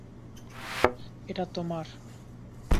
এটা তোমার।